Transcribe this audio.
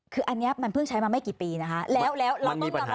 คืออันนี้มันเพิ่งใช้มาไม่กี่ปีนะคะ